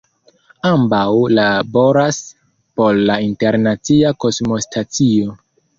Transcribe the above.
Ambaŭ laboras por la Internacia Kosmostacio.